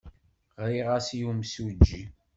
Ɣriɣ-as i yimsujji.